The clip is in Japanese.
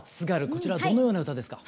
こちらどのような歌ですか？